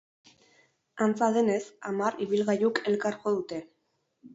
Antza denez, hamar ibilgailuk elkar jo dute.